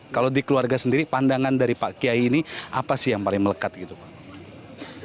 kalau di keluarga sendiri pandangan dari pak kiai ini apa sih yang paling melekat gitu pak